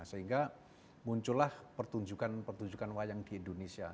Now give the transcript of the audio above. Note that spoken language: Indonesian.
sehingga muncullah pertunjukan pertunjukan wayang di indonesia